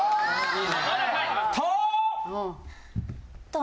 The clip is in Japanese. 「と」！